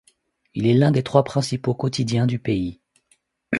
Il est l'un des trois principaux quotidiens du pays.